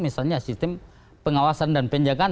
misalnya sistem pengawasan dan penjagaan